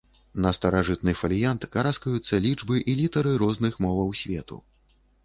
На старажытны фаліянт караскаюцца лічбы і літары розных моваў свету.